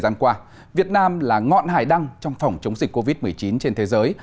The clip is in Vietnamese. gian qua việt nam là ngọn hải đăng trong phòng chống dịch covid một mươi chín trên thế giới